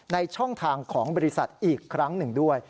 ช่องทางของบริษัทอีกครั้งหนึ่งด้วย